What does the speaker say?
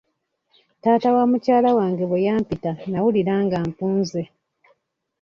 Taata wa mukyala wange bwe yampita nnawulira nga mpunze.